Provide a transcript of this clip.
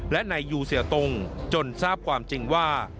และนายยูเสียตรงจนทราบความจริงว่า